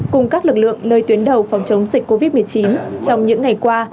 cùng các lực lượng nơi tuyến đầu phòng chống dịch covid một mươi chín trong những ngày qua